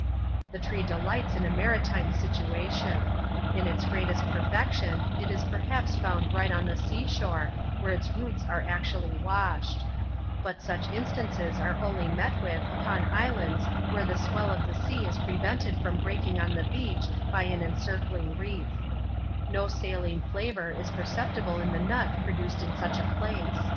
The tree delights in a maritime situation. In its greatest perfection, it is perhaps found right on tine seanahor^ whare its loots are actually wa^ed* But such instances are only met frith upon islands where the swell of the sea is pvevented from breaking on the beach by an encircling ree£ No saline dawHir m peroeptibia in the nut produced in such a plaee.